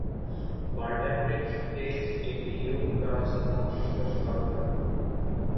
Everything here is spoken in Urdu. بال ٹمپرنگ کیساے پی یو کا سزا میں کمی کامطالبہ